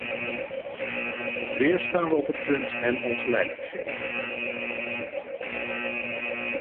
Alweer staan we op het punt hen ongelijk te geven.